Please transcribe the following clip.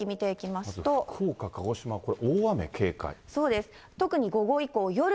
まず福岡、鹿児島、これ、大雨警戒。